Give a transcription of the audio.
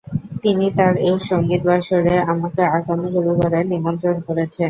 তিনি তাঁর এক সঙ্গীতবাসরে আমাকে আগামী রবিবারে নিমন্ত্রণ করেছেন।